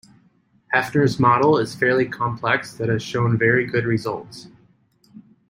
Hefner's model is fairly complex that has shown very good results.